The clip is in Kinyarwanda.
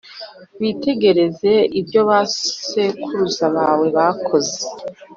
“witegereze ibyo abasekuruza bawe bakoze.